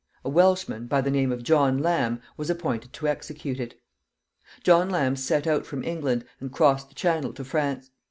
A Welshman, by the name of John Lamb, was appointed to execute it. John Lamb set out from England, and crossed the Channel to France.